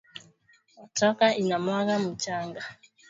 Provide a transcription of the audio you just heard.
Motoka ina mwanga muchanga